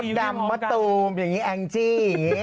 มดดำมะตู้มแอ็งจี้